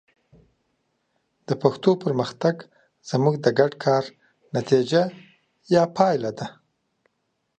د پښتو پرمختګ زموږ د ګډ کار نتیجه ده.